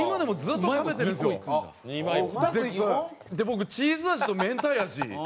僕チーズ味とめんたい味。